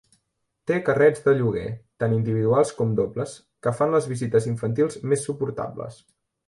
Té carrets de lloguer, tant individuals com dobles, que fan les visites infantils més suportables.